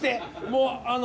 もうあの